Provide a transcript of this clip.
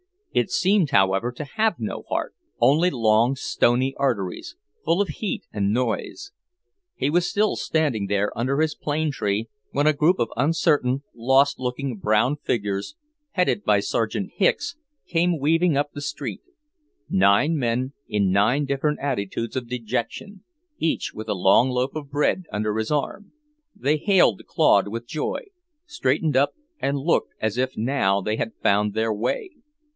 It seemed, however, to have no heart; only long, stony arteries, full of heat and noise. He was still standing there, under his plane tree, when a group of uncertain, lost looking brown figures, headed by Sergeant Hicks, came weaving up the street; nine men in nine different attitudes of dejection, each with a long loaf of bread under his arm. They hailed Claude with joy, straightened up, and looked as if now they had found their way!